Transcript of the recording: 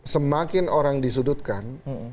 semakin orang disudutkan